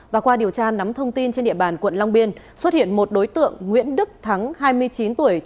và qua điều tra nắm thông tin trên địa bàn quận long biên xuất hiện một đối tượng nguyễn đức thắng hai mươi chín tuổi